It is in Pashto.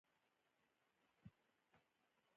د توکو تولید په اړه خبرې کوو.